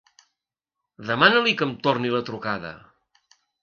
Demana-li que em torni la trucada!